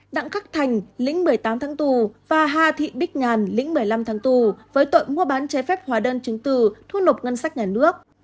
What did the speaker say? đặng khắc thành lĩnh một mươi tám tháng tù và hà thị bích nhàn lĩnh một mươi năm tháng tù với tội mua bán trái phép hóa đơn chứng từ thu nộp ngân sách nhà nước